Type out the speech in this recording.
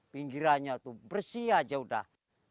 pinggirannya itu bersih aja udah